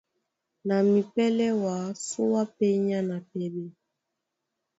Na mipɛ́lɛ́ wǎ súe á pényá na pɛɓɛ.